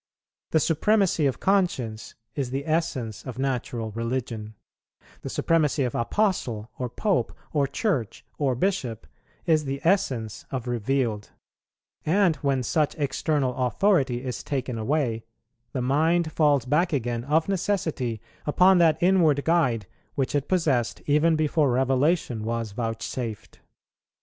The supremacy of conscience is the essence of natural religion; the supremacy of Apostle, or Pope, or Church, or Bishop, is the essence of revealed; and when such external authority is taken away, the mind falls back again of necessity upon that inward guide which it possessed even before Revelation was vouchsafed.